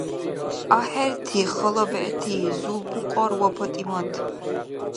АхӀерти хала бегӀти Зулпукьар ва ПатӀимат!